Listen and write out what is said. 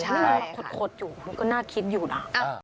นี่ขดอยู่มันก็น่าคิดอยู่นะ